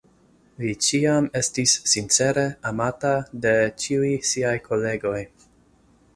Li ĉiam estis sincere amata de ĉiuj siaj kolegoj.